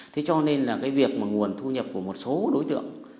thế cho nên là cái việc mà nguồn thu nhập của một số đối tượng